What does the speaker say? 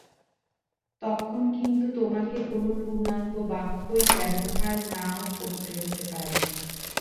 তখন কিন্তু তোমাকে কোনো পূর্ণাঙ্গ বাক্যই ব্যবহার নাও করতে হতে পারে।